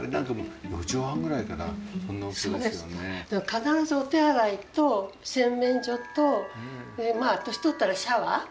必ずお手洗いと洗面所と年取ったらシャワー。